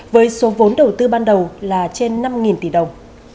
với số vốn đầu tư ban đầu là trên năm tỷ đồng